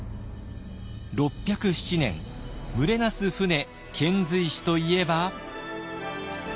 ６０７年「群れなす船遣隋使」といえば。